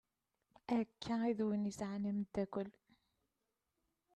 Akka i d win yesɛan amddakel.